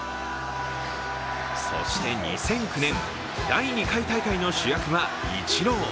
そして２００９年第２回大会の主役はイチロー。